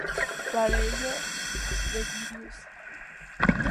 Para ello Delirious?